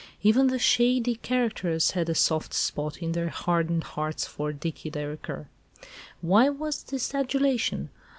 Even the shady characters had a soft spot in their hardened hearts for "Dicky Dereker." Why was this adulation?